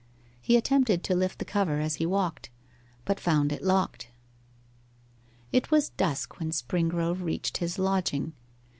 He attempted to lift the cover as he walked, but found it locked. It was dusk when Springrove reached his lodging.